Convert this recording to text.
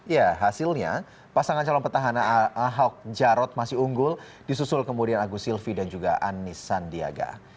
ya hasilnya pasangan calon petahana ahok jarot masih unggul disusul kemudian agus silvi dan juga anis sandiaga